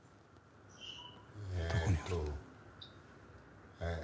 ・どこにある？